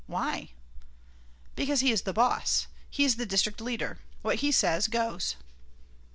"Why?" "Because he is the boss. He is the district leader. What he says goes."